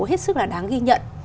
hết sức là đáng ghi nhận